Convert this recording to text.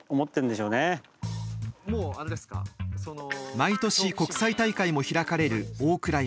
毎年国際大会も開かれる大倉山。